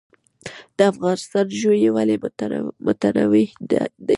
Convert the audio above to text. د افغانستان ژوي ولې متنوع دي؟